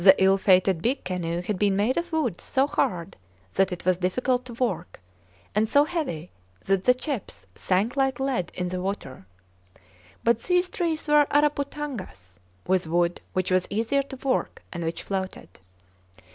The ill fated big canoe had been made of wood so hard that it was difficult to work, and so heavy that the chips sank like lead in the water. But these trees were araputangas, with wood which was easier to work, and which floated.